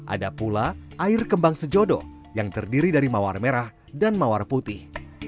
ada pula air kembang sejodo yang terdiri dari mawar merah dan mawar putih